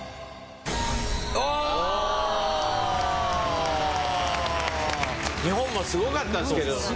おおああ日本もすごかったですけれどもね